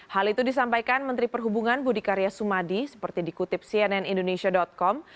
hal itu disampaikan menteri perhubungan budi karya sumadi seperti dikutip cnn indonesia com